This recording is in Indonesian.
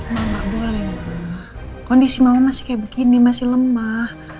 mama boleh kondisi mama masih kayak begini masih lemah